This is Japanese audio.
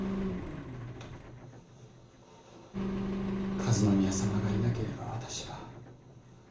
和宮様がいなければ私は。